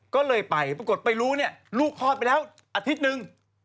ก็เลยไปปรากฏไปรู้เนี่ยลูกคลอดไปแล้วอาทิตย์นึง